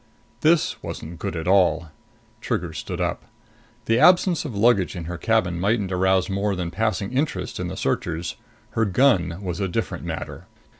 This wasn't good at all! Trigger stood up. The absence of luggage in her cabin mightn't arouse more than passing interest in the searchers. Her gun was a different matter.